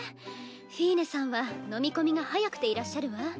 フィーネさんは飲み込みが早くていらっしゃるわ。